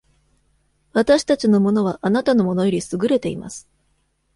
私たちのものはあなたのものより優れています。